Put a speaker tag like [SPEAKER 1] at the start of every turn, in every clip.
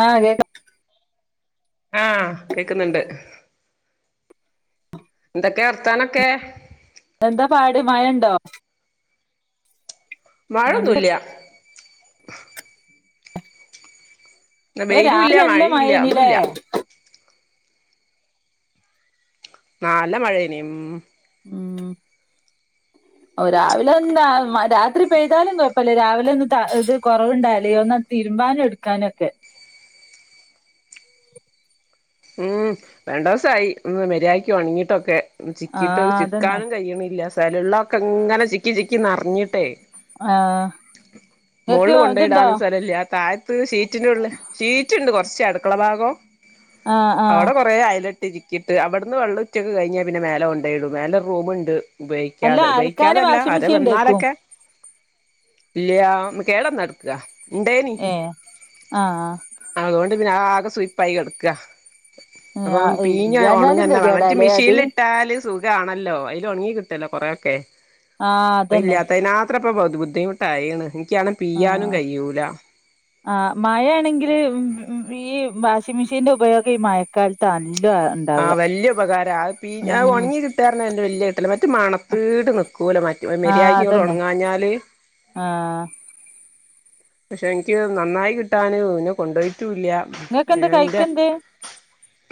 [SPEAKER 1] ആ കേക്കാം
[SPEAKER 2] ആഹ് കേക്കുന്നുണ്ട് എന്തൊക്കെ വർത്താനൊക്കെ
[SPEAKER 1] എന്താ പാട് മഴണ്ടോ നല്ല
[SPEAKER 2] മഴൊന്നൂല്യ ഇന്ന്
[SPEAKER 1] ഇന്നലെ
[SPEAKER 2] വെയിലുല്ല
[SPEAKER 1] രാത്രി നല്ല
[SPEAKER 2] മഴയില്ല
[SPEAKER 1] മഴേനിലേ
[SPEAKER 2] ഒന്നുല്ല നല്ല മഴേനി ഉം
[SPEAKER 1] ഉം രാവിലെന്താ രാത്രി പെയ്താലും കൊഴ അപ്പല്ലേ രാവിലെ ഒന്ന് ഇത് കുറവുണ്ടല്ലേ ഒന്ന് തിരുമ്പാനും എടുക്കാനും ഒക്കെ
[SPEAKER 2] ഉം രണ്ടൂസായി ഒന്ന് മര്യാദക്ക്‌ ഒണങ്ങീട്ടൊക്കെ ചിക്കിട്ട്
[SPEAKER 1] ആഹ് അതന്നെ
[SPEAKER 2] ചിക്കാനും കഴിയ്ണില്ല സഥലള്ളക്കെങ്ങനെ ചിക്കി ചിക്കി നർഞ്ഞിട്ടേ
[SPEAKER 1] ആഹ് ഇങ്ങക്ക്
[SPEAKER 2] മോള്
[SPEAKER 1] ഇതുണ്ടോ
[SPEAKER 2] കൊണ്ടയിടാനും സ്ഥലല്ല താഴ ത്ത് ശീറ്റിനുള്ളിൽ ഷീറ്റ്ണ്ട് കൊർച്ച് അടുക്കള ഭാഗം
[SPEAKER 1] ആഹ് ആഹ്
[SPEAKER 2] അവിടെ കുറേ അയ്ലെട്ടി ചിക്കിട്ട് അവിടുന്ന് വെള്ളം ഉറ്റൊക്കെ കഴിഞ്ഞാൽ പിന്നെ മേലെ കൊണ്ടോയിടും മേലെ റൂമ്ണ്ട്
[SPEAKER 1] അല്ല
[SPEAKER 2] ഉപയോഗിക്കാതെ
[SPEAKER 1] അലക്കാന്
[SPEAKER 2] ഉപയോഗിക്കാതല്ല
[SPEAKER 1] വാഷിംഗ്
[SPEAKER 2] ആരെ
[SPEAKER 1] മെഷീൻ ഇണ്ടേക്കും
[SPEAKER 2] വന്നോലൊക്കെ ഇല്ല്യാ കേടന്നട്ക്കാ ഇണ്ടേനി
[SPEAKER 1] ഏഹ് ആഹ്
[SPEAKER 2] അതുകൊണ്ട് പിന്നെ ആകെ സുയ്പ്പായി കടക്കാ അപ്പം
[SPEAKER 1] ആഹ്
[SPEAKER 2] പീഞ്ഞ്
[SPEAKER 1] ഇല്ലാഞ്ഞാലും
[SPEAKER 2] ഒണങ്ങന്നെ വാണം മറ്റേ
[SPEAKER 1] ഗതികേടാല്ലേ അത്
[SPEAKER 2] മെഷീനിലിട്ടാല് സുഖാണല്ലോ അയ്ലൊണങ്ങി കിട്ടല്ലോ കൊറേയൊക്കെ
[SPEAKER 1] ആഹ്
[SPEAKER 2] അ
[SPEAKER 1] അതന്നെ
[SPEAKER 2] ഇല്ലാത്തയ് നാ ത്രപ്പോ ബുദ്ധിമുട്ടായീണ് ൻക്കാണേൽ പിയ്യാനും കഴിയൂല
[SPEAKER 1] ആ മയേയാണെങ്കില് ഈ വാഷിംഗ് മെഷീന്റെ ഉപയോഗം ഈ മഴക്കാല ത്താണ് ല്ലേ
[SPEAKER 2] ആഹ് വല്യുപകാരാ അത് പി അത്
[SPEAKER 1] ഉം
[SPEAKER 2] ഒണ്ങ്ങി കിട്ട ട്ടാർഞ്ഞാതന്നെ വല്യ കിട്ടല മറ്റേ മണത്തിട്ട് നിക്കൂല മറ്റ
[SPEAKER 1] ആഹ്
[SPEAKER 2] മര്യാദക്ക്‌ങ്ങട്ട്
[SPEAKER 1] അതന്നെ
[SPEAKER 2] ഉണങ്ങാഞ്ഞാല്
[SPEAKER 1] ആഹ്
[SPEAKER 2] പക്ഷെ ൻക്ക് നന്നായി കിട്ടാന് പിന്നെ കൊണ്ടോയ്ട്ടൂല്ല
[SPEAKER 1] നിങ്ങക്കെന്ത്
[SPEAKER 2] അയ്ന്റെ
[SPEAKER 1] കൈക്കെന്ത്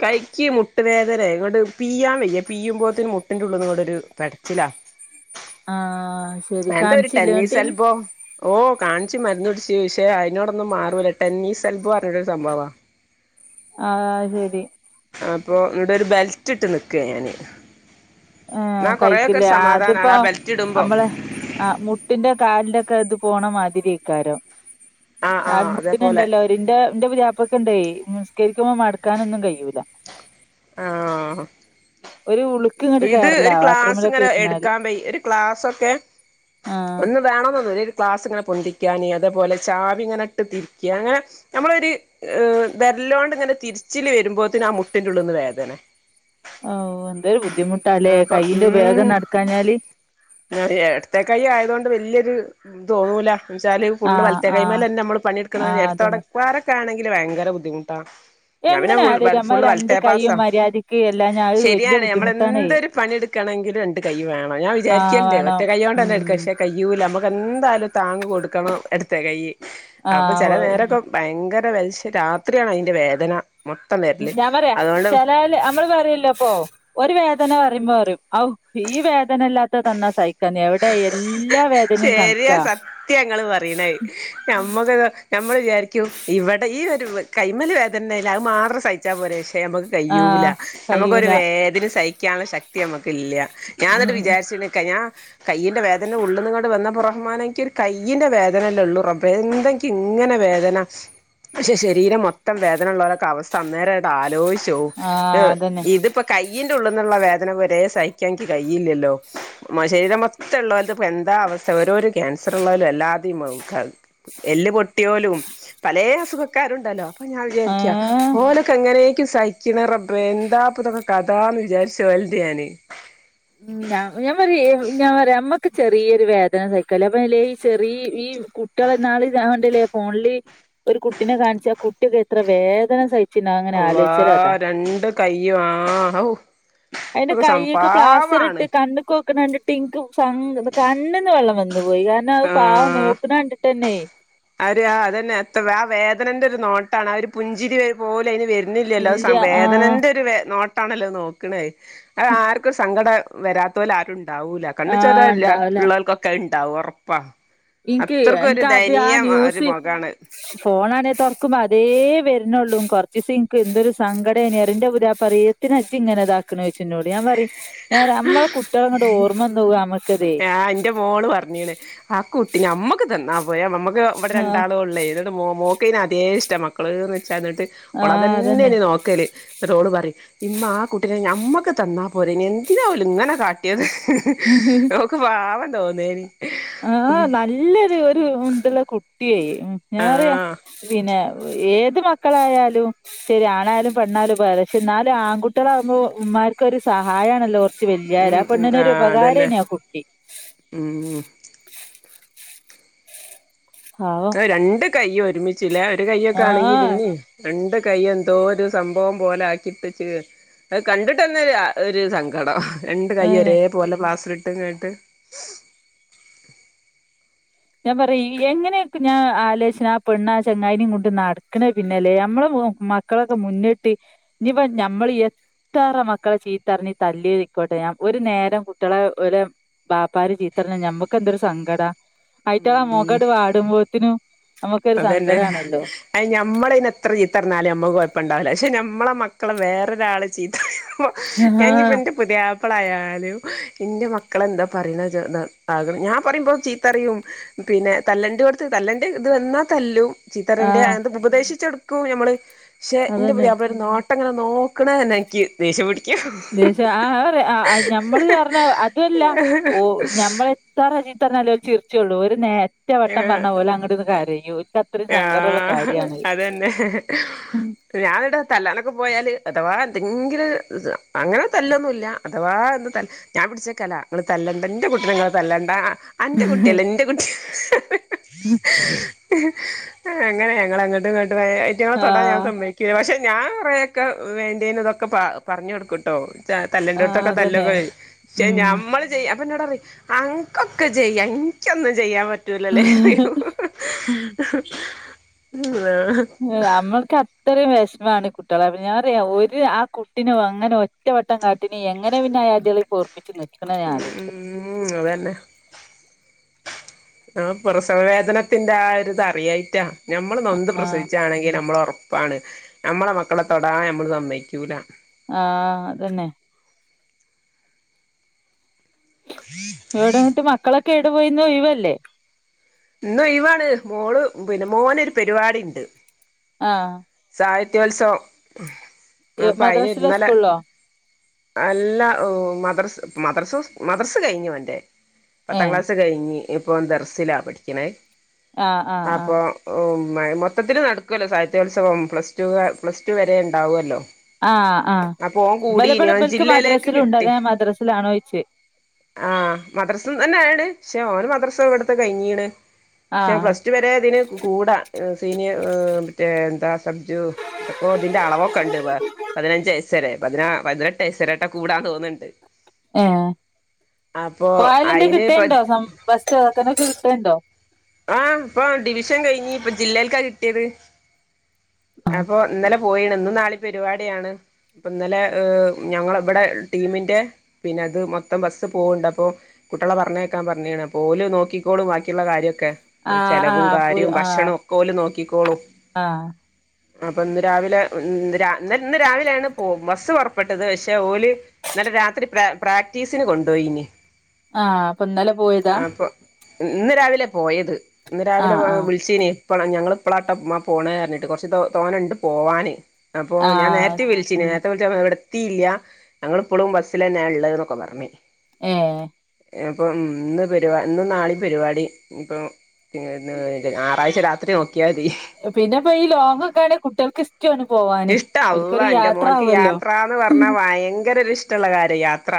[SPEAKER 2] കൈക്ക് മുട്ട് വേദന ങ്ങട്ട് പീയാൻ വയ്യ പീയുമ്പോത്തിന് മുട്ടിന്റുള്ള്ന്ന്ങ്ങട്ടൊരു പെടച്ചിലാ
[SPEAKER 1] ആഹ് ശരി
[SPEAKER 2] എന്താ ഒരു
[SPEAKER 1] കാണിച്ചില്ലേ
[SPEAKER 2] ടെന്നീസ്
[SPEAKER 1] എന്നിട്ട്
[SPEAKER 2] അല്ഭവം ഓ കാണിച്ച് മരുന്ന് കുട്ച്ചു പക്ഷേ അയ്നോടൊന്നും മാറൂല്ല ടെന്നീസെൽബോ പറഞ്ഞിട്ടൊരു സംഭവ
[SPEAKER 1] ആ അയ് ശരി
[SPEAKER 2] അപ്പോൾ ഇവിട ഒരു ബെൽറ്റ് ഇട്ട് നിൽക്കാ ഞാന് എന്നാ
[SPEAKER 1] ആഹ്
[SPEAKER 2] കൊറേയൊക്കെ ഒരു
[SPEAKER 1] കയ്ക്കില്ലേ
[SPEAKER 2] സമാധാനാണ്
[SPEAKER 1] അതിപ്പോ
[SPEAKER 2] ആ ബെൽറ്റ് ഇടുമ്പോ
[SPEAKER 1] നമ്മള് ആഹ് മുട്ടിന്റെ കാലിന്റെ ഒക്കെ ഇത് പോണ മാതിരി ഇക്കാരം
[SPEAKER 2] ആ ആ
[SPEAKER 1] കാൽ
[SPEAKER 2] അതേപോലെ
[SPEAKER 1] മുട്ടിനുണ്ടല്ലോ ഇതിന്റ ഇന്റെ പുതിയാപ്പിളക്ക് ഇണ്ടേ നിസ്കരിക്കുമ്പോ മടക്കാനൊന്നും കഴിയൂല
[SPEAKER 2] ആഹ്
[SPEAKER 1] ഒരു [unintelligible]
[SPEAKER 2] ഇത്
[SPEAKER 1] കേറലാ
[SPEAKER 2] ഒരു ക്ലാസ്
[SPEAKER 1] ബാത്റൂമിലൊക്കെ
[SPEAKER 2] ഇങ്ങനെ
[SPEAKER 1] ഇരുന്നാല്
[SPEAKER 2] എടുക്കാൻ പൊയി ഒരു ക്ലാസ്സൊക്കെ
[SPEAKER 1] ആഹ്
[SPEAKER 2] ഒന്ന് വേണോന്നൊന്നും ഒരു ക്ലാസ് ഇങ്ങനെ പൊന്തിക്കാന് അതേ പോലെ ചവി ഇങ്ങനെ ഇട്ട് തിരിക്കാ അങ്ങനെ നമ്മളൊരു ഏഹ് വെരലോണ്ട് ഇങ്ങനെ തിരിച്ചില് വരുമ്പോത്തെന് ആ മുട്ടിന്റെ ഉള്ളിന്ന് വേദന
[SPEAKER 1] ഓ എന്തോരു ബുദ്ധിമുട്ട അല്ലേ
[SPEAKER 2] ആ അപ്പം
[SPEAKER 1] കയ്യിന്റെ ഉപയോഗം നടക്കാഞ്ഞാല്
[SPEAKER 2] ആഹ് എടത്തെ കൈ ആയത് കൊണ്ട് വല്യൊരു ഇത് തോന്നൂല എന്ന്ച്ചാല് ഫുള്ള്
[SPEAKER 1] ആഹ്
[SPEAKER 2] വലത്തെ കൈയി
[SPEAKER 1] ആഹ്
[SPEAKER 2] മേലന്ന അമ്മള് പണിയെടുക്കുന്നവരെ
[SPEAKER 1] ആഹ് അതന്നെ
[SPEAKER 2] എടത്തോട ഓരക്ക് ആണെങ്കില് ഭയങ്കര ബുദ്ധിമുട്ടാ ഞാ പിന്നെ
[SPEAKER 1] എങ്ങനെ
[SPEAKER 2] ഫുള്ള് വര
[SPEAKER 1] ആടേലും നമ്മ
[SPEAKER 2] ഫുള്ള്
[SPEAKER 1] രണ്ട്
[SPEAKER 2] വലത്തെ
[SPEAKER 1] കൈയും
[SPEAKER 2] പാസം
[SPEAKER 1] മര്യാദക്ക് എല്ലാം ഞാൻ അത് വല്യ
[SPEAKER 2] ശരിയാണ് നമ്മള്
[SPEAKER 1] ബുദ്ധിമുട്ടാണേ
[SPEAKER 2] എന്തൊരു പണിയെടു ക്കണങ്കില് രണ്ട് കൈ വേണം അത് ഞാൻ
[SPEAKER 1] ആഹ്
[SPEAKER 2] വിചാരിക്കണ്ടേ ഒറ്റ
[SPEAKER 1] വേണം
[SPEAKER 2] കൈയ് കൊണ്ട് എന്താ എടുക്കാ
[SPEAKER 1] ഉം
[SPEAKER 2] പക്ഷെ കയ്യൂല നമ്മുക്ക് എന്തായാലും താങ്ങ് കൊടുക്കണം എടത്തേ കൈ അപ്പൊ ചെല
[SPEAKER 1] ആഹ്
[SPEAKER 2] നേരൊക്കെ ഭയങ്കര വലി ശേ രാത്രിയാണ് അയിൻ്റെ വേദന മൊത്തം വേ
[SPEAKER 1] ഞാൻ പറയാ ചെലോല് അമ്മള് പറയുല്ലോ [unintelligible] ഒരു വേദന പറയുമ്പോ പറയും ഔ ഈ വേദനയില്ലാത്ത തന്നാ സഹിക്കാന്ന് എവി ടെ എല്ലാ വേ
[SPEAKER 2] ശരിയാ സത്യാ ഇങ്ങള് പറയിണെ നമ്മക്ക് നമ്മൾ വിചാരിക്കും ഇവടെ ഈ ഒരു കൈ മേല് വേദനയില്ല അത് മാത്രം സഹി ച്ചാ പോരേ പക്ഷെ അമ്മക്ക് കഴ്യൂല
[SPEAKER 1] ആഹ്
[SPEAKER 2] നമ്മക്കൊരു
[SPEAKER 1] കയ്യൂല
[SPEAKER 2] വേദന സഹിക്കാള്ള ശ ക്തി അമ്മക്ക് ഇല്യ ഞാൻ എന്നിട്ട്
[SPEAKER 1] ആഹ്
[SPEAKER 2] വിചാരിച്ച് നിക്കാ ഞാൻ കയ്യിന്റെ വേദന ഉള്ളിന്ന്ങ്ങാ [unintelligible] വന്നപ്പോ റഹ്മാനേ എനിക്ക് ഒരു കയ്യിന്റെ വേദനയല്ലേ ഉള്ളൂ റബ്ബേ എന്താ എനിക്ക് ഇങ്ങനെ വേദന പക്ഷെ ശരീരം മൊത്തം വേദന ഉള്ളോരേക്ക അവസ്ഥ അന്നേരം അങ്ങട് ആലോയിച് [unintelligible] ഏഹ്
[SPEAKER 1] അതന്നെ
[SPEAKER 2] ഇതിപ്പോ കയ്യിന്റെ ഉള്ളിന്നുള്ള വേദന വരെ സഹിക്കാൻ എനിക്ക് കയ്യില്ലല്ലോ മ ശരീരം മൊത്തം ഉള്ളോലത് ഇപ്പ എന്താ അവസ്ഥ ഓരോരോ ക്യാൻസർ ഉള്ളവലും അല്ലാതെയും [unintelligible] എല്ല് പൊട്ടിയോലും പലേ അസുഖക്കാരുണ്ടല്ലോ അപ്പൊ ഞാൻ വിചാരിക്ക
[SPEAKER 1] ഏഹ്
[SPEAKER 2] ഓലൊക്ക എങ്ങനേക്ക സഹിക്ക്ണ റബ്ബേ എന്താപ്പ ഇതൊക്കെ കഥാന്ന് വിചാരിച്ച് [unintelligible] ഞാന്
[SPEAKER 1] ഉം ഞാ ഞാൻ പറയേ ഞാൻ പറയാ അമ്മക്ക് ചെറിയൊരു വേദന സഹിക്കാല്ല അപ്പൊ ല്ലേ ഈ ചെറിയ ഈ കു കുട്ട്യളെ ഇന്നാള് ഞാ കണ്ട്ല്ലേ ഫോണില് ഒരു കുട്ടിനെ കാണിച്ച് ആ കുട്ടിയൊക്കെ എത്ര വേദന സഹി
[SPEAKER 2] അള്ളാ രണ്ട് കൈയ്യും ആഹ് ഹൗ
[SPEAKER 1] അയിന്റെ കൈയൊക്കെ പ്ലാസ്റ്റർ ഇട്ടിട്ട് കണ്ണ്ക്ക് കൊക്കണ കണ്ടിട്ട് എനിക്ക് സങ്ക കണ്ണിന്ന് വെള്ളം വന്ന് [unintelligible] പോയി കാരണം അത് പാവം നോക്കണ കണ്ടിട്ടന്നെ
[SPEAKER 2] അവര് ആഹ് അതന്നെ അത്ര ആ വേദനേന്റെ ഒരു നോട്ടാണ് ആ ഒരു പുഞ്ചിരി പോലെ അതിന് വര് ന്നില്ലല്ലോ അത് സ
[SPEAKER 1] ഇല്ല ആഹ്
[SPEAKER 2] വേദനെന്റെ ഒരു വേ നോട്ടാണല്ലോ അത് നോക്ക്ണേ അത് ആർക്കും ഒരു സങ്കട വെരാത്തൊല് ആരുണ്ടാവൂല കണ്ണി ചോര
[SPEAKER 1] ആഹ്
[SPEAKER 2] ഇല്ല
[SPEAKER 1] ഇണ്ടാവൂല
[SPEAKER 2] ഇള്ളവൾക്കൊക്കെ അത് ഉണ്ടാവും ഒറപ്പാ
[SPEAKER 1] ഇനിക്ക് എനിക്ക് ആദ്യം ആ ന്യൂസ്
[SPEAKER 2] മുഖാണ്
[SPEAKER 1] ഫോണാണേ തൊറക്കുമ്പോ അതേ വെരണുള്ളൂ കൊറച്ച് ദിവസം എനിക്ക് എന്തൊരു സങ്കടേന് ഏറെ എന്റെ [unintelligible] പറയും [unintelligible] ഇങ്ങനെ ഇതാക്കണോ ചോയിച്ചു എന്നോട് ഞാൻ പറയും ഞാ പറയും അമ്മള കുട്ട്യളെ അങ്ങട് ഓർമ്മ വന്നു പോകും അമ്മക്ക് ഇതേ
[SPEAKER 2] ആഹ് എന്റെ മോള് പറഞ്ഞേണ് ആ കുട്ടി നമ്മക്ക് തന്നാ പോരെ നമ്മക്ക് ഇവിടെ
[SPEAKER 1] ആഹ്
[SPEAKER 2] രണ്ടാളും ഉള്ളേത് [unintelligible] മോ മോക്ക് പിന്ന അതേ ഇഷ്ടം മക്കള്ന്ന് വെച്ചാ എന്നിട്ട് ഓള് അതന്നെ ഇനി നോക്കല് എന്നിട്ട് ഓള് പറയും ഇമ്മ ആ കുട്ടിനെ ഞമ്മക്ക് തന്നാ പോരേ അതിനെ എന്തിനാ ഓല് ഇങ്ങനെ കാട്ടിയത് ഓക്ക് പാവം തോന്നേണ്
[SPEAKER 1] ആഹ് നല്ല ഒരു ഒരു ഇതൊള്ള കുട്ടിയേ മ്ഹ് ഞാൻ പറയാ
[SPEAKER 2] ആഹ്
[SPEAKER 1] പിന്നെ ഏത് മക്കളായാലും ശരി ആണായാലും പെണ്ണായാലും ഇപ്പൊ ഏകദേശം എന്നാലും ആൺകുട്ടികളാവുമ്പോ ഉമ്മാർക്കൊരു സഹായണല്ലോ
[SPEAKER 2] ഉം
[SPEAKER 1] [unintelligible] പെണ്ണിന് ഒരു ഉപകാരന്നേ ആ കുട്ടി
[SPEAKER 2] മ്ഹ്
[SPEAKER 1] പാവം
[SPEAKER 2] ആ രണ്ട് കയ്യും ഒരുമിച്ച്ല്ലേ ഒരു കയ്യൊക്കെ ആണെങ്കി
[SPEAKER 1] ആഹ്
[SPEAKER 2] പിന്നേം രണ്ട് കൈ എന്തോ ഒരു സംഭവം പോലെ ആക്കിട്ടച്ച് അത് കണ്ട്ട്ടന്നെരാ ഒരു സങ്കടം രണ്ട്
[SPEAKER 1] അതന്നെ
[SPEAKER 2] കൈയ്ഒരേ പോലെ പ്ലാസ്റ്ററ് ഇട്ട് ങ്ങട്ട്
[SPEAKER 1] ഞാൻ പറെ ഈ എങ്ങനെപ്പ ഞാൻ ആലേച്ണ് ആ പെണ്ണാ ചങ്ങായിനിം കൊണ്ട് നടക്ണ് പിന്നെല്ലേ അമ്മളെ മോ മ മക്കളൊക്കെ മുന്നിട്ട് ഇഞ് ഇപ്പ നമ്മൾ എത് എത്രറ മക്കളെ ചീത്തറഞ് തല്ലി ഇരിക്കോട്ടെ ഞാൻ ഒരു നേരം കുട്ട്യാളെ ഒര വാപ്പാര് ചീത്തർഞ്ഞാ നമ്മക്ക് എന്താെരു സങ്കടാ ആയിറ്റങ്ങളെആ
[SPEAKER 2] ഉം
[SPEAKER 1] മാെഖട് വാടുമ്പോത്തിന് നമക്കാെരു സങ്കടാണല്ലോ
[SPEAKER 2] അയ്ന് ഞമ്മളയ്ന്എത്ര ചീത്തർഞ്ഞാലും ഞമ്മക്ക് കാെഴപ്പംണ്ടാവൂല്ല പക്ഷെ ഞമ്മളെ മക്കളെ വേറൊരാള് ചീത്ത പറി ഞാൻ
[SPEAKER 1] ആഹ്
[SPEAKER 2] ഇഞ്ന്റെപ്പ് പുതിയാപ്പളായാലും എന്റെ മക്കളെ എന്താ പറീണെ ജ് ന്ന്ആകും ഞാൻ പറയുമ്പോ ചീത്തറിയും പിന്നെ തല്ലണ്ട്യാേട്ത് തല്ലണ്ടെ ഇത് വന്നാ തല്ലും ചിത്തറണ്ടെ
[SPEAKER 1] ആഹ്
[SPEAKER 2] ആൻത്തെ ഉപദേശിച്ചെട്ക്കും നമ്മള്പക്ഷേ ഇന്റെ
[SPEAKER 1] അതന്നെ
[SPEAKER 2] പുതിയാപ്പ്ള ഒരു നോട്ട് ട്ടം ഇങ്ങനെനോക്ണതന്നെ ഇൻക്കി ദേഷ്യം പിടിക്കും
[SPEAKER 1] ദേഷ്യ ആ പറയാ ആ ആ ഞമ്മള് പറഞ്ഞ
[SPEAKER 2] ഹ ഹ ഹ
[SPEAKER 1] എത്രറ ചീത്തർഞാല്ലും ഓല് ചിർചൊള്ളൂ ഒരു നേ ഒറ്റവട്ടം പറഞ്ഞാ ഓല്അങ്ങട്ട് ഇര്ന്ന്കരയും
[SPEAKER 2] ആഹ് അതന്നെ ഞാന് ഇട തല്ലാനൊക്കെ പോയാല് അഥവാ എന്തെങ്കിലും അങ്ങനെ തല്ലൊന്നുല്ല അഥവാ ഒന്ന് തല്ല് ഞാൻ പിടിച്ചക്കലാ ഇങ്ങൾ തല്ലണ്ട ഇന്റെ കുട്ടിനെങ്ങൾ തല്ലണ്ടാ അന്റെ കുട്ട്യല്ല ഇന്റെ കുട്ടി
[SPEAKER 1] ഉം
[SPEAKER 2] അങ്ങന ഞങ്ങള് അങ്ങട്ടും ഇങ്ങട്ടും ആയെ അയ്റ്റങ്ങളെ തൊടാ ഞാൻ
[SPEAKER 1] ആഹ്
[SPEAKER 2] സമ്മയ്ക്കി ക്ക്യ പക്ഷെ ഞാൻ കാെറെയൊക്കെ വേണ്ടേന് ഇതൊക്കെ പ പറഞ്ഞു കൊടുക്കും ട്ടോ രാ
[SPEAKER 1] ആഹ്
[SPEAKER 2] തല്ലെണ്ടോട്‌ത്തൊക്കെ
[SPEAKER 1] അതന്നെ
[SPEAKER 2] തല്ലൊക്കെയ്യും പക്ഷെ
[SPEAKER 1] ഉം
[SPEAKER 2] ഞമ്മള് ചെയ്യാം അപ്പോ ഇന്നോറിം അൻക്കാെകെചെയ്യാം ഇനിക്കൊന്നും ചെയ്യാൻ പറ്റ് പറ്റൂല്ലല്ലെറയും ഉം ആഹ്
[SPEAKER 1] ആ് അമ്മൾക്ക് അത്രയും വെഷ്മാണ് കുട്ട്യാളെപ് ഞാൻറി ഒര് ആ കുട്ടിനെ അങ്ങനെ ഒറ്റ ഒറ്റവട്ടം കാട്ടീന് എങ്ങനെ പിന്നെ അയാദ്യാളെ പൊർപ്പിച്ച് നിക്ണ്
[SPEAKER 2] മ് മ്മ് അതന്നെ ആ പ്രസവ വേദനത്തിന്റെ ആ ഒര്ത് അറിയായിറ്റാ നമ്മള് നൊന്ത്
[SPEAKER 1] ആഹ്
[SPEAKER 2] പ്രസവിച്ചാണെങ്കിൽ നമ്മള് ഒറപ്പാണ് നമ്മളെ മക്കളെ തൊടാൻ നമ്മള് സമ്മയ്ക്കൂല
[SPEAKER 1] ആഹ് അതന്നെ ഏടെ ഇങ്ങട്ട്മക്കളൊക്കെ എവിടെ പോയീന്ന് ഇന്ന്ഒഴിവല്ലേ
[SPEAKER 2] ഇന്ന്‌ ഒഴിവാണ് മോള് പിന്നെ മോനൊരു പരിപാടി ഇണ്ട്
[SPEAKER 1] ആഹ്
[SPEAKER 2] സാഹിത്യോത്സവം അപ്പഅയിന്
[SPEAKER 1] മദ്രസിലോ
[SPEAKER 2] ഇന്നലെ
[SPEAKER 1] സ്കൂളിലോ
[SPEAKER 2] അല്ലാ മദ്രസ് മദ്രസ മദ്രസ് കഴിഞ്ഞുഓന്റെ
[SPEAKER 1] ഏ
[SPEAKER 2] പത്താം ക്ലാസ്സ് കഴിഞ്ഞ് ഇപ്പോ ഓൻ ദർസിലാ പഠിക്ണ്
[SPEAKER 1] ആഹ് ആഹ്
[SPEAKER 2] അപ്പോ
[SPEAKER 1] ആഹ്
[SPEAKER 2] ഓഹ് മയ മൊത്തത്തില് നടകൊല്ലാേ സാഹിത്യോത്സവം പ്ലസ് ടു ക പ്ലസ് ടു വരെ ഇണ്ടാവോല്ലോ
[SPEAKER 1] ആഹ് ആഹ് ഇബല ഇബടെ ഇബൽക്ക്
[SPEAKER 2] ജില്ലയിലേക്ക്
[SPEAKER 1] മദ്രസിലും ഇണ്ടത്
[SPEAKER 2] കിട്ടി
[SPEAKER 1] അതാഞാൻ മദ്രറസിലാണോയ്ച്ചെ
[SPEAKER 2] ആഹ് മദ്റസ്ന്നന്നെ ആണ് ക്ഷെ ഓന് മദ്റസ് ഇവട്ത്തെ കഴിഞ്ണ് ക്ഷെ
[SPEAKER 1] ആഹ്
[SPEAKER 2] പ്ലസ് ടു വരെ ഇതിന് കൂടാ എ് സീനിയർ ഏ് മറ്റേ അതാ സബ്ജു എന്തൊക്കോ ഇതിന്റെ അളവ് ഒക്കെ ഇണ്ട് വ പതിനഞ്ച്‌വയസ്സ്‌ വരെ പതിനാ പതിനെട്ട് വയസ്സ്‌ വരെ ട്ടകൂടാന്ന് തോന്ന്ണ്ട്
[SPEAKER 1] ഏഹ് പോയാല് എന്തെ
[SPEAKER 2] അയിന് ഇപ്പ
[SPEAKER 1] കിട്ടേണ്ടോ സം ഫസ്റ്റോ സെക്കറ്റാകക്കെ കിട്ടല് ഇണ്ടോ
[SPEAKER 2] ആഹ് ഇപ്പൊ ഡിവിഷൻ കഴിഞ് ഇപ്പ ജില്ലേൽക്കാ കിട്ട്യാെത്
[SPEAKER 1] ആഹ്
[SPEAKER 2] അപ്പൊ ഇന്നലെ പ് പോയിണ് ഇന്നും നാളിം പര്പാടിയാണ് ഇപ്പ ഇന്നലെ ഏ് ഞങ്ങള ഇവടെ ടീമിന്റെ പിന്നെ ത് മൊത്തം ബസ്സ് പോവ്ണ്ട് അപ്പോ കുട്ട്യാളെ പറഞ്ഞേക്കാൻ പറഞ്ഞ്ണ് അപ്പഓല് നോക്കിക്കോളും വാക്കിള്ള കാര്യ ക്കെ ചെലവും
[SPEAKER 1] ആഹ് പു
[SPEAKER 2] കാര്യേം ഭക്ഷണം
[SPEAKER 1] ആഹ്
[SPEAKER 2] ഒക്കെ ഓല് നോക്കിക്കോളും
[SPEAKER 1] ആഹ്
[SPEAKER 2] അപ്പൊ ഇന്ന് രാവിലെ ഇന്ന് രാ ന്ന് ഇന്ന് രാവിലെണ് പോവും ബസ്സ് പാെറപ്പെട്ടത് പക്ഷെ ഓല്- ഇന്നലെ രാത്രി പ്രക പ്രാക്ടീസിന് കൊണ്ടാേയിനി
[SPEAKER 1] ആഹ് അപ്പൊ ഇന്നലെ പോയതാ
[SPEAKER 2] അപ്പൊ ഇന്ന് രാവിലെ പോയത് ഇന്ന് രാവിലെ
[SPEAKER 1] ആഹ് ആഹ്
[SPEAKER 2] വിളിച്ചിനി ഇപ്പള ഞങ്ങൾ ഇപ്പളാട്ടമ്മ പോണ് പറഞ്ഞിട്ട് കുറച്ച് തോനെണ്ട് പോവാനേ അപ്പോ ഞാൻ
[SPEAKER 1] ആഹ്
[SPEAKER 2] നേരത്തെ
[SPEAKER 1] ശരി
[SPEAKER 2] വിളിച്ചിന്
[SPEAKER 1] ഉം
[SPEAKER 2] നേരത്തെ വി എവിടെ എത്തിയില്ല ഞങ്ങളിപ്പോഴും ബസ്സിലന്നെയായുള്ളത് എന്നൊക്കെ പറഞ്ഞ്
[SPEAKER 1] ഏഹ്
[SPEAKER 2] അപ്പൊ ഇന്ന് പരിപാ ഇന്ന് നാളെയും പരിപാടി ഇനി പ്പോഞായറാഴ്ച രാത്രി നോക്കിയാമതി
[SPEAKER 1] പിന്നെ ഇപ്പൊ ഈ ലോങ്ങൊക്കെയാണ് കുട്ടികൾക്ക് സ് - - റ്റ് ഒന്ന് പോവാ
[SPEAKER 2] ഇഷ്ടാ അള്ളാ എന്റെ മോൻക്ക് യാത്രാന്ന് പറഞ്ഞാൽ ഭയങ്കര ഒരു ഇഷ് ഇഷ്ട്ടുള്ള കാര്യാ യാത്ര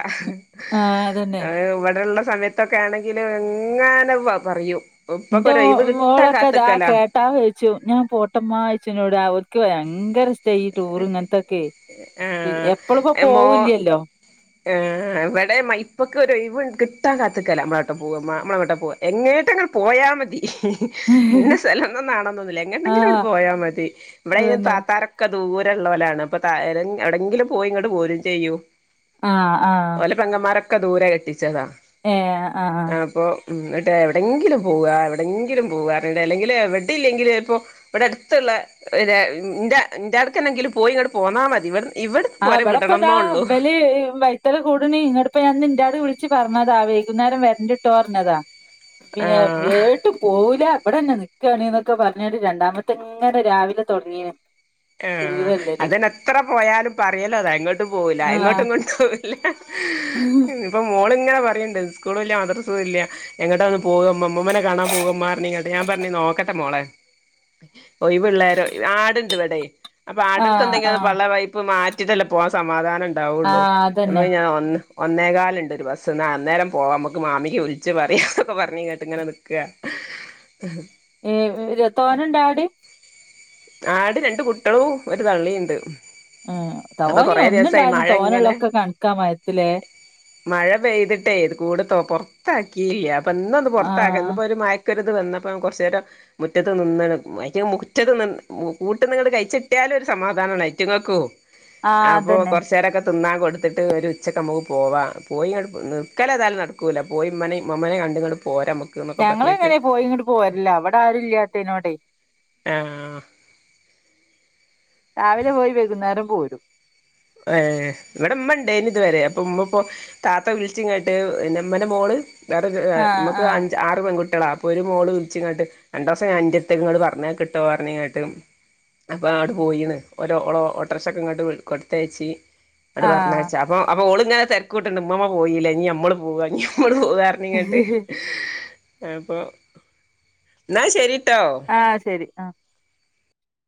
[SPEAKER 1] ആഹ് അതന്നെ
[SPEAKER 2] ഇവിടുള്ള സമയത്ത് ത്തൊക്കെ ആണെങ്കിൽ ഇങ്ങനെ പറയും ഇപ്പൊക്കൊരു ഒഴിവ് കിട്ടാൻ കാത്തുനിക്കലാ
[SPEAKER 1] ട്ടാ കഴിച്ചു ഞാൻ പോട്ടമ്മ ചോയ്ച്ചു എന്നോട് അർക്ക് വേ ഭയങ്കര ഇഷ്ട്ടായി ഈ ടൂർ ഇങ്ങനത്തൊക്കെ എപ്പളും ഇപ്പോ
[SPEAKER 2] ആഹ് മോ
[SPEAKER 1] പോവുല്ലല്ലോ
[SPEAKER 2] ഇവിടെ മൈപ്പൊക്കൊരു ഒഴിവ് കിട്ടാൻ കാത്തിക്കലാ നമ്മളെങ്ങട്ടാ പോവ്വാമ്മ നമ്മളെങ്ങട്ടാ പോവ്വാ എങ്ങോട്ടെങ്കിലും പോയാൽ മതി ഹി ഹി ഇന്ന സ്ഥലോന്നോന്നാവണോന്നുമില്ല എങ്ങണ്ടെങ്കിലും അങ്ങട്
[SPEAKER 1] ആഹ്
[SPEAKER 2] പോയാൽ മതി ഇവിടെ അയിന്
[SPEAKER 1] അതന്നെ
[SPEAKER 2] താത്താരൊ ഒക്കെ ദൂരള്ളോലാണ് അപ്പൊ താ എവിടെങ്കിലും പോയി ഇങ്ങട് പോരും ചെയ്യും
[SPEAKER 1] ആഹ് ആഹ്
[SPEAKER 2] പെങ്ങമാരൊക്കെ ദൂരെ കെട്ടിച്ചതാ
[SPEAKER 1] ഏഹ് ആഹ്
[SPEAKER 2] അപ്പൊ എന്നിട്ട് എവിടെയെങ്കിലും പോവുക എട്ട് എവിടെങ്കിലും പോവ്വാ എവിടെങ്കിലും പോവ്വാ പറഞ്ഞിട്ട് അല്ലെങ്കിൽ എവിടെ ഇല്ലെങ്കിൽ ഇപ്പോ ഇവിടെ അടുത്തുള്ള ഇന്റെ ഇന്റാടെക്കെങ്കിലും പോയി ഇങ്ങട്ട് പോന്നാൽ മതി ഇവി
[SPEAKER 1] ആഹ് ഇവിടെ ഇപ്പതാ ഇബല് വൈ ഇത്തൽ കൂടണി ഇന്നിട്ടിപ്പോ ഞാൻ ഇന്റാട് വിളച്ച് പറഞ്ഞതാ വൈകുന്നേരം വരണ്ടിട്ടോ പറഞ്ഞതാ പിന്നെ
[SPEAKER 2] ആഹ്
[SPEAKER 1] ഏട്ടും പോവൂല ഇവിടെ നിൽക്കണീന്നൊക്കെ പറഞ്ഞ് രണ്ടാമത്തെ ഇങ്ങനെ രാവിലെ തുടങ്ങിയതാ
[SPEAKER 2] ആഹ് അതെന്നെ എത്ര പോയാലും പറയലതാ എങ്ങോട്ടും പോവില്ല എങ്ങോട്ടും ഇങ്ങോട്ടും ഇല്ല
[SPEAKER 1] ഉം
[SPEAKER 2] ഇപ്പോ മോളിങ്ങനെ പറയുന്നുണ്ട് സ്കൂളില്ല മദ്രസയൊന്നുമില്ല എങ്ങോട്ട് ഒന്ന് പോവ്വാ ഉമ്മുമ്മാനെ കാണാൻ പോവ്വുമ്മാന്ന് പറഞ്ഞ് ഞാൻ പറഞ്ഞ് നോക്കട്ടെ മോളെ ഒഴിവുള്ളേരം ആടുണ്ടിവടെ അപ്പൊ ആടുകൾക്ക്
[SPEAKER 1] ആഹ് ആഹ്
[SPEAKER 2] എന്തെങ്കിലും പള്ള വയപ്പ് മാറ്റിയിട്ടല്ലേ പോവാൻ സമാധാനം ഉണ്ടാവുള്ളു
[SPEAKER 1] ആഹ് അതന്നെ
[SPEAKER 2] എന്ന് ഞാൻ ഒന്ന് ഒന്നേകാലിനുണ്ട് ഒരു ബസ്സ് എന്ന അന്നേരം പോവാ നമ്മക്ക് മാമിനെ വിളിച്ച് പറയാനൊക്കെ പറഞ്ഞാണ്ട് ഇങ്ങനെ നിക്കാണ് ഹ്
[SPEAKER 1] ഏഹ് ഇര തോനെയുണ്ടോ അവിടെ
[SPEAKER 2] ആട് രണ്ടു കുട്ടികളും ഒരു തള്ളയുമുണ്ട്
[SPEAKER 1] തോനെയോ ഒന്നുണ്ടായാലും
[SPEAKER 2] ഇങ്ങനെ
[SPEAKER 1] തോനള്ളൊക്കെ കണക്കാ മയത്തില്
[SPEAKER 2] മഴ പെയ്തിട്ടേ കൂട് പുറത്താക്കിയിട്ടില്ല അപ്പൊ ഇന്നൊന്ന് പുറത്താക്ക
[SPEAKER 1] ആഹ്
[SPEAKER 2] ഇന്നൊരു മയ മുക്കരുത് നിന്നപ്പോം കുറച്ചു നേരം മുറ്റത്ത് നിന്നണ് അയിന് മുറ്റത് നി കൂട്ടിന്നിങ്ങട് കഴിച്ചിട്ടിയാലും ഒരു സമാധാനമാണ് അയറ്റങ്ങൾക്കൂ
[SPEAKER 1] ആഹ്
[SPEAKER 2] അപ്പൊ
[SPEAKER 1] അതന്നെ
[SPEAKER 2] കൊറച്ചു നേരൊക്കെ തിന്നാൻ കൊടുത്തിട്ട് ഒരു ഉച്ചക്ക് നമുക്ക് പോവാം പോയി നിൽക്കല് ഏതായാലും നടക്കൂല്ല പോയി ഉമ്മനെയും ഉമ്മുമ്മാനെയും കണ്ടുങ്ങാണ്ട് പോരാം നമ്മക്ക്
[SPEAKER 1] ഞങ്ങള് ഇങ്ങനെ പോയിങ്ങാണ്ട് പോരലാ അവിടെ ആരുല്ലാത്തേനോടെ
[SPEAKER 2] ആഹ്
[SPEAKER 1] രാവിലെ പോയി വൈകുന്നേരം പോരും
[SPEAKER 2] ഏ ഇവിടെ ഇമ്മണ്ടായിരുന്നു തുവരെ അപ്പൊ ഉമ്മ ഇപ്പോ താത്ത വിളിച്ചിങ്ങോട്ടു എൻ്റമ്മയുടെ മോള് വേറെ
[SPEAKER 1] ആഹ്
[SPEAKER 2] ഉമ്മുക്ക്
[SPEAKER 1] ആഹ്
[SPEAKER 2] അഞ്ച് ആറ് പെൺകുട്ടികളാ ഒരു മോള് വിളിച്ചിങ്ങാട്ട് രണ്ട് ദിവസം എൻന്റെ അടുത്തേക്ക് പറഞ്ഞയക്കട്ടോ പറഞ്ഞ് കേട്ട് അപ്പാ ആട് പോയീണ് ഓലൊ ഓളൊ ഓട്ടർഷക്കെങ്ങട്ട് വിട് കൊടുത്തയച്ച് ഇങ്ങട്
[SPEAKER 1] ആഹ്
[SPEAKER 2] പറഞ്ഞയച്ച് അപ്പം അപ്പോള് ഇങ്ങനെ തെര്ക്കൂട്ട്ണ്ട് ഉമ്മമ്മ പോയില്ലെ ഇഞ് ഞമ്മൾ പോവാ ഇഞ് ഞമ്മൾ പോവാർ ന്ങ്ങട്ട് അപ്പൊ ന്നാ ശരിട്ടോ
[SPEAKER 1] ആഹ് ശരി ആഹ്